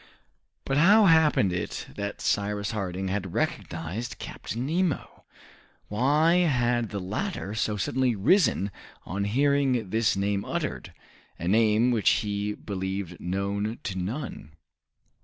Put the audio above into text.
But how happened it that Cyrus Harding had recognized Captain Nemo? why had the latter so suddenly risen on hearing this name uttered, a name which he had believed known to none?